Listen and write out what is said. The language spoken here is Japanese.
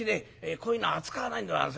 こういうの扱わないんでございます。